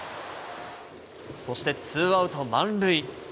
そして、ツーアウト満塁。